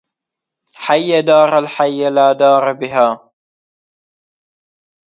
حي دار الحي لا دار بها